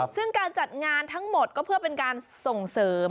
ซึ่งการจัดงานทั้งหมดก็เพื่อเป็นการส่งเสริม